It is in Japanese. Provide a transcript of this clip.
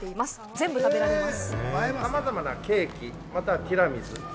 全部食べれます。